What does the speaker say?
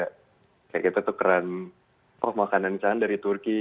kayak kita tukeran makanan misalnya dari turki